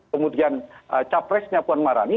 kemudian capresnya puan marani